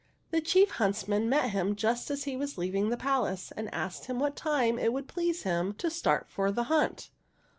The chief huntsman met him just as he was leaving the palace, and asked him what time it would please him to start for the hunt.